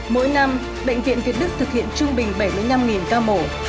mỗi năm bệnh viện việt đức thực hiện trung bình bảy mươi năm ca mổ